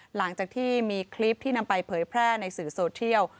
หลังจากที่มีคลิปที่นำไปเผยแพร่ในสื่อโซเทียล